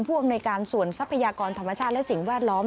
อำนวยการส่วนทรัพยากรธรรมชาติและสิ่งแวดล้อม